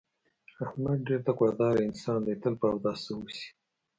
احمد ډېر تقوا داره انسان دی، تل په اوداسه اوسي.